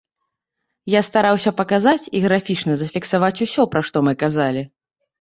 Я стараўся паказаць і графічна зафіксаваць усё, пра што мы казалі.